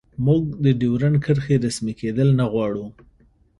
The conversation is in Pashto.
موږ د ډیورنډ کرښې رسمي کیدل نه غواړو